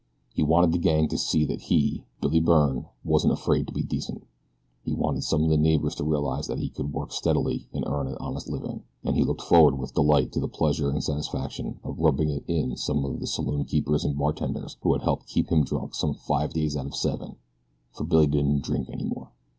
He wanted the gang to see that he, Billy Byrne, wasn't afraid to be decent. He wanted some of the neighbors to realize that he could work steadily and earn an honest living, and he looked forward with delight to the pleasure and satisfaction of rubbing it in to some of the saloon keepers and bartenders who had helped keep him drunk some five days out of seven, for Billy didn't drink any more.